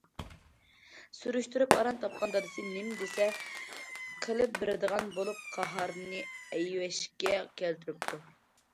سۈرۈشتۈرۈپ ئاران تاپقان دادىسى نېمە دېسە قىلىپ بېرىدىغان بولۇپ قاھارنى ئەيۋەشكە كەلتۈرۈپتۇ.